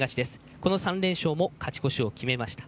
この３連戦も勝ち越しを決めました。